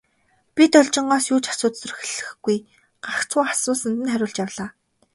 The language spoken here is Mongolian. Би Должингоос юу ч асууж зүрхлэхгүй, гагцхүү асуусанд нь хариулж явлаа.